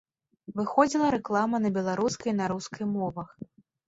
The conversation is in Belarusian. Выходзіла рэклама на беларускай і на рускай мовах.